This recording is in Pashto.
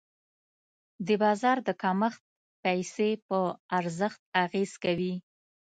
د بازار د کمښت پیسې په ارزښت اغېز کوي.